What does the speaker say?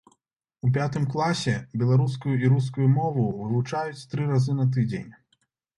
У пятым класе беларускую і рускую мовы вывучаюць тры разы на тыдзень.